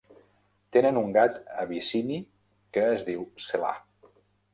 Tenen un gat abissini que es diu Selah.